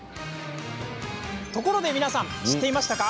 ところで皆さん知っていました？